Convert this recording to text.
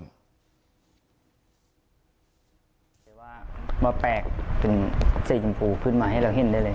คุณหมอที่เอาใจว่าเราจะมีสีชมพูถึงขึ้นมาให้เราเห็นได้เลย